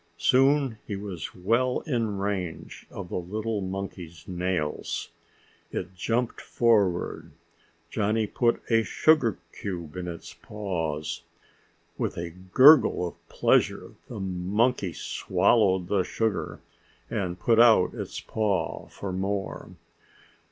Soon he was well in range of the little monkey's nails. It jumped forward. Johnny put a sugar cube in its paws. With a gurgle of pleasure, the monkey swallowed the sugar and put out its paw for more.